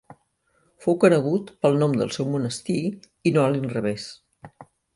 Fou conegut pel nom del seu monestir i no a l'inrevés.